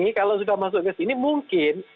ini kalau sudah masuk ke sini mungkin